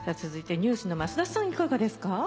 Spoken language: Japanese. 続いてＮＥＷＳの増田さんいかがですか？